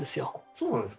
そうなんですか。